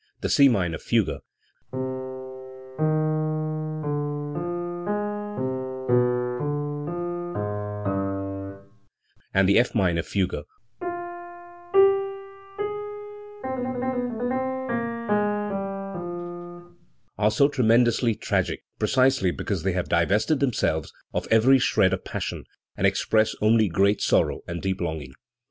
The C minor fugue and the F minor fugue are so tremendously tragic precisely because they have divested themselves of every shred of passion, and ex press only great sorrow and deep longing.